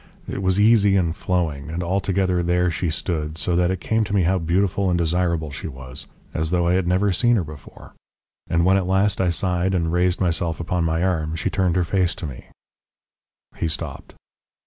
It was easy and flowing. And altogether there she stood, so that it came to me how beautiful and desirable she was, as though I had never seen her before. And when at last I sighed and raised myself upon my arm she turned her face to me " He stopped.